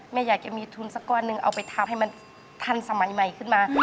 อยากจะมีทุนสักก้อนหนึ่งเอาไปทำให้มันทันสมัยใหม่ขึ้นมา